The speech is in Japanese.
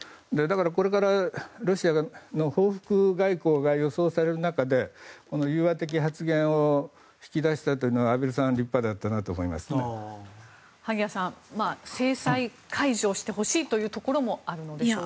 これからロシアの報復外交が予想される中で融和的発言を引き出したというのは萩谷さん、制裁解除してほしいというところもあるのでしょうか。